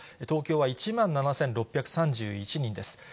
東京は１万７６３１人です。